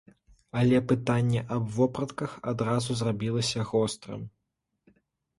Але пытанне аб вопратках адразу зрабілася гострым.